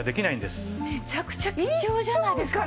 めちゃくちゃ貴重じゃないですか。